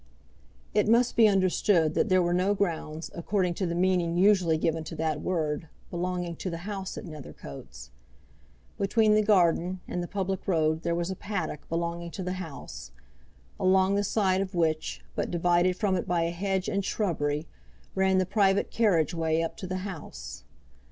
It must be understood that there were no grounds, according to the meaning usually given to that word, belonging to the house at Nethercoats. Between the garden and the public road there was a paddock belonging to the house, along the side of which, but divided from it by a hedge and shrubbery, ran the private carriageway up to the house.